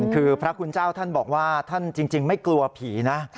คือพระคุณเจ้าท่านบอกว่าท่านจริงไม่กลัวผีนะ